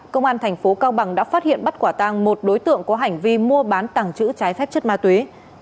công an thành phố cao bằng đã phát hiện bắt quả tăng một đối tượng có hành vi mua bán tàng trữ trái phép chất ma túy